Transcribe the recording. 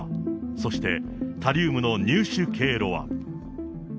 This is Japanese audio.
そしてタリウムの入手経路は。